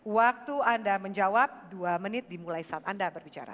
waktu anda menjawab dua menit dimulai saat anda berbicara